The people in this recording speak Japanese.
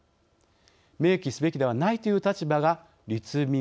明記すべきではないという立場が立民